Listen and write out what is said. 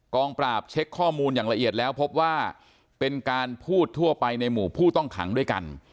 ปราบเช็คข้อมูลอย่างละเอียดแล้วพบว่าเป็นการพูดทั่วไปในหมู่ผู้ต้องขังด้วยกัน